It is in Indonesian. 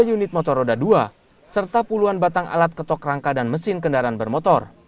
tiga unit motor roda dua serta puluhan batang alat ketok rangka dan mesin kendaraan bermotor